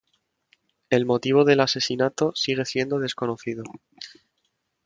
El motivo del asesinato sigue siendo desconocido.